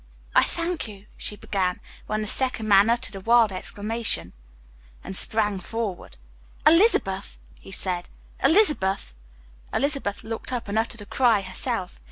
"I thank you," she began, when the second man uttered a wild exclamation and sprang forward. "Elizabeth!" he said, "Elizabeth!" Elizabeth looked up and uttered a cry herself.